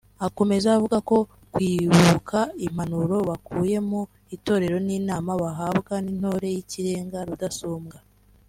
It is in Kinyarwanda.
Akomeza avuga ko kwibuka impanuro bakuye mu itorero n’inama bahabwa n’ intore y’ikirenga Rudasumbwa